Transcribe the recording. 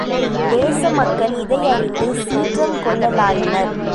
தேச மக்கள் இதைய றிந்து சீற்றம் கொள்ள லாயினர்.